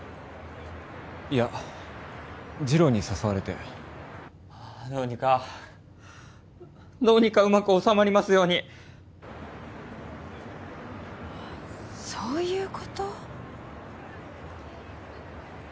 いや次郎に誘われてああどうにかどうにかうまくおさまりますようにそういうこと？